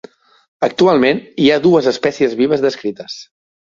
Actualment hi ha dues espècies vives descrites.